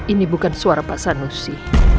ini bukan suara pasanusi